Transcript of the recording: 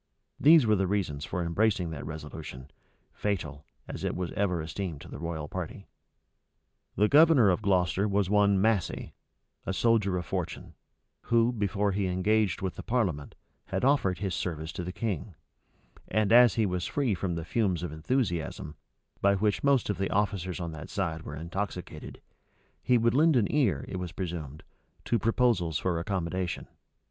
These were the reasons for embracing that resolution, fatal, as it was ever esteemed to the royal party.[*] The governor of Gloucester was one Massey, a soldier of fortune, who, before he engaged with the parliament, had offered his service to the king; and as he was free from the fumes of enthusiasm, by which most of the officers on that side were intoxicated, he would lend an ear, it was presumed, to proposals for accommodation.